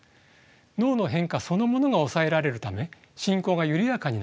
脳の変化そのものが抑えられるため進行が緩やかになります。